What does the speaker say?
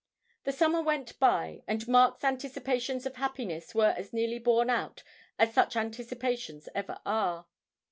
The summer went by, and Mark's anticipations of happiness were as nearly borne out as such anticipations ever are.